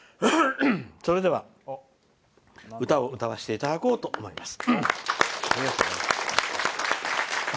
では、歌を歌わせていただこうと思います。